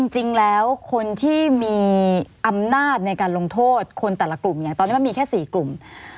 จริงแล้วคนที่มีอำนาจในการลงโทษคนแต่ละกลุ่มเนี่ยตอนนี้มันมีแค่๔กลุ่ม